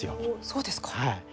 そうですか。